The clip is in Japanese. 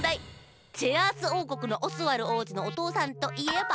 チェアースおうこくのオスワルおうじのおとうさんといえば？